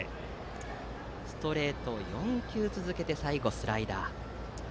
ストレートを４球続けて最後はスライダー。